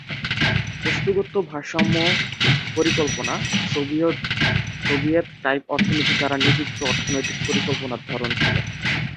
বস্তুগত ভারসাম্য পরিকল্পনা সোভিয়েত-টাইপ অর্থনীতি দ্বারা নিযুক্ত অর্থনৈতিক পরিকল্পনার ধরন ছিল।